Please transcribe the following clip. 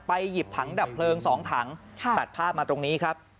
หยิบถังดับเพลิง๒ถังตัดภาพมาตรงนี้ครับ